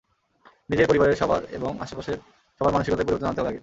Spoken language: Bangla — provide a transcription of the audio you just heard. নিজের, পরিবারের সবার এবং আশপাশের সবার মানসিকতায় পরিবর্তন আনতে হবে আগে।